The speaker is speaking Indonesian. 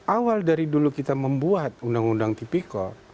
awal dari dulu kita membuat undang undang tipikor